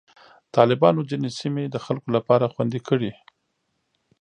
طالبانو ځینې سیمې د خلکو لپاره خوندي کړې.